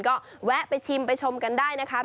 ก็แวะไปชิมไปชมกันได้นะคะ